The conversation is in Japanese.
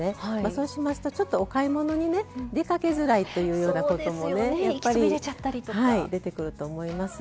そうしますとお買い物に出かけづらいというようなこともやっぱり出てくると思います。